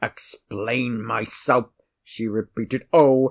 "Explain myself!" she repeated. "Oh!